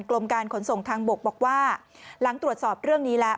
กรมการขนส่งทางบกบอกว่าหลังตรวจสอบเรื่องนี้แล้ว